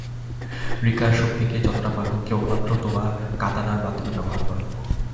Recur শক্তিকে যতটা পারো কেবলমাত্র তোমার কাতানার মাধ্যমে ব্যবহার করো।